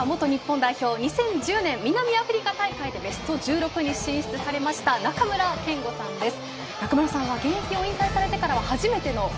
続いてサッカー元日本代表２０１０年南アフリカ大会でベスト１６に進出された中村憲剛さんです。